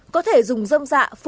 có thể dùng dông dạ phủ